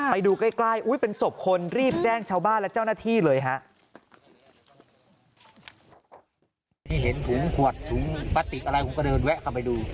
ไปดูใกล้ใกล้อุ้ยเป็นศพคนรีบแจ้งชาวบ้านและเจ้าหน้าที่เลยฮะ